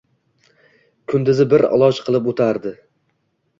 Kunduzi bir iloj qilib o‘tardi